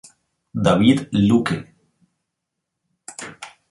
David Luque.